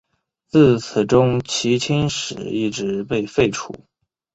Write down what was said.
自此中圻钦使一职被废除。